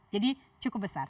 jadi cukup besar